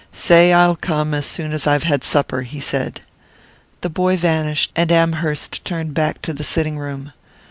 "Say I'll come as soon as I've had supper," he said. The boy vanished, and Amherst turned back to the sitting room.